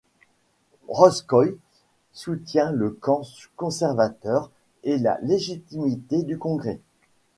Routskoï soutient le camp conservateur et la légitimité du Congrès.